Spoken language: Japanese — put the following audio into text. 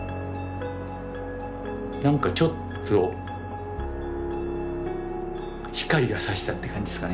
なんかちょっと光がさしたって感じですかね